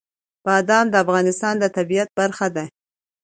بادام د افغانستان د طبیعت برخه ده.